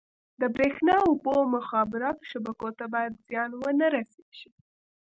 د بریښنا، اوبو او مخابراتو شبکو ته باید زیان ونه رسېږي.